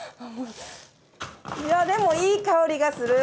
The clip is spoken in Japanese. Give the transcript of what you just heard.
いやでもいい香りがする！